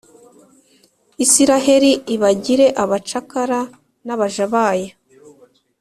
Israheli ibagire abacakara n’abaja bayo,